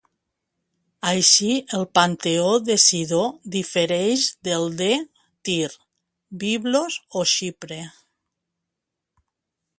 Així el panteó de Sidó difereix del de Tir, Biblos o Xipre.